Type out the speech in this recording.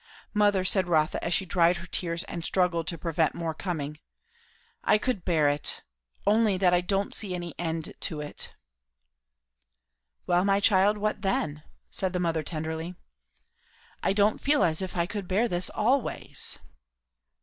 "Mother," said Rotha, as she dried her tears and struggled to prevent more coming, "I could bear it, only that I don't see any end to it." "Well, my child? what then?" said the mother tenderly. "I don't feel as if I could bear this always."